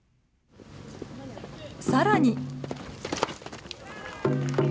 さらに。